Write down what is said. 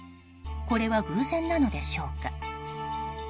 これは偶然なのでしょうか。